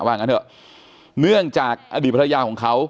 งั้นเถอะเนื่องจากอดีตภรรยาของเขา